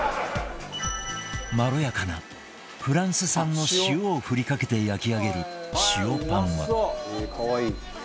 まろやかなフランス産の塩を振りかけて焼き上げる塩パンは